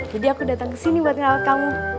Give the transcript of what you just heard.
jadi aku datang ke sini buat ngerawat kamu